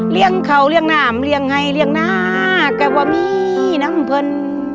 เลี้ยงเขาเลี้ยงน้ำเลี้ยงให้เลี้ยงหน้าก็ว่ามีน้ำพล